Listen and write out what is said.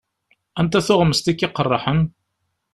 Anta tuɣmest i k-iqeṛḥen?